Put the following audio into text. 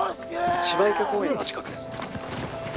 芝池公園の近くです